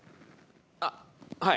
あっはい。